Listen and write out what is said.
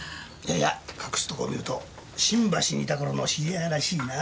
やっ隠すところを見ると新橋にいた頃の知り合いらしいな？